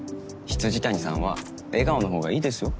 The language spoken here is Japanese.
未谷さんは笑顔のほうがいいですよ？